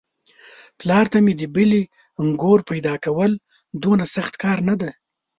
پلار ته مې د بلې نږور پيداکول دومره سخت کار نه دی.